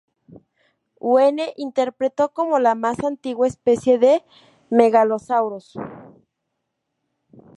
Huene interpretó como la más antigua especie de "Megalosaurus".